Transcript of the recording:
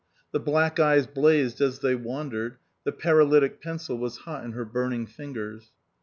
The black eyes blazed as they wan dered, the paralytic pencil was hot in her burn ing fingers.